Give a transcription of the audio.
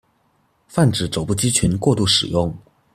泛指肘部肌群過度使用